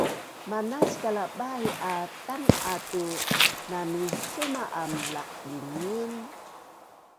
Manaskal a bai a tan’a tu naminsuma aam laqbingin